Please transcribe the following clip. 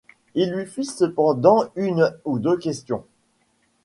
Il lui fit cependant une ou deux questions.